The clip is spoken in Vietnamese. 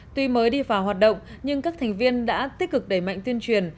tuy mới đi vào hoạt động nhưng các thành viên đã tích cực đẩy mạnh tuyên truyền